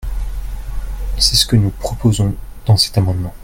» C’est ce que nous proposons dans cet amendement.